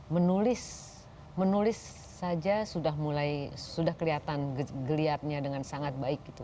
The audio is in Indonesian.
menulis saja sudah mulai sudah kelihatan geliatnya dengan sangat baik gitu